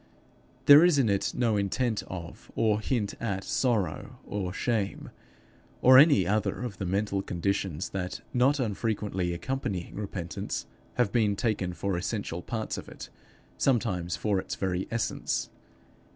There is in it no intent of, or hint at sorrow or shame, or any other of the mental conditions that, not unfrequently accompanying repentance, have been taken for essential parts of it, sometimes for its very essence.